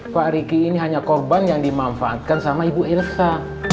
pak riki ini hanya korban yang dimanfaatkan sama ibu ilha